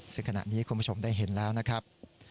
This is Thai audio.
ซึ่งขณะนี้คุณผู้ชมได้เห็นแล้วนะครับ